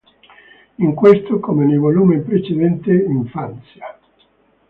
In questo, come nel volume precedente, "Infanzia.